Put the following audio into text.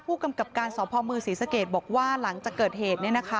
ผู้กำกับการสพมศรีสะเกดบอกว่าหลังจากเกิดเหตุ